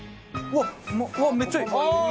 うわっめっちゃいい！ああー！